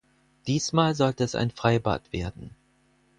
Diesmal sollte es ein Freibad werden.